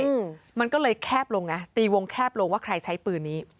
อืมมันก็เลยแคบลงไงตีวงแคบลงว่าใครใช้ปืนนี้